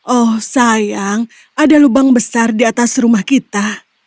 oh sayang ada lubang besar di atas rumah kita